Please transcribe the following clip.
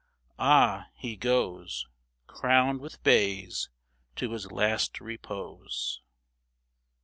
Ah ! he goes Crowned with bays to his last repose.